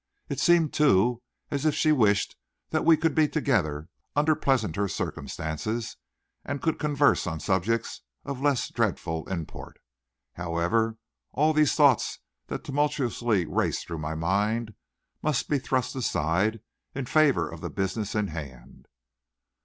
It seemed too, as if she wished that we could be together under pleasanter circumstances and could converse on subjects of less dreadful import. However, all these thoughts that tumultuously raced through my mind must be thrust aside in favor of the business in hand.